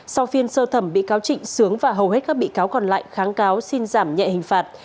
sau phiên sơ thẩm bị cáo trịnh sướng và hầu hết các bị cáo còn lại kháng cáo xin giảm nhẹ hình phạt